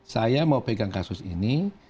saya mau pegang kasus ini